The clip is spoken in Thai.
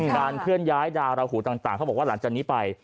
เคลื่อนย้ายดาราหูต่างเขาบอกว่าหลังจากนี้ไป